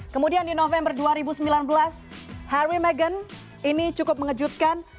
kemudian di november dua ribu sembilan belas harry meghan ini cukup mengejutkan